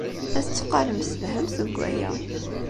La tetteqqalemt telhamt deg waya.